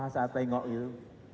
saya tengok itu